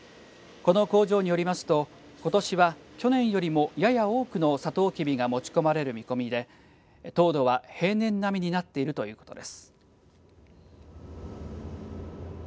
この工場によりますと、ことしは去年よりもやや多くのさとうきびが持ち込まれる見込みで糖度は平年並みになっているということです。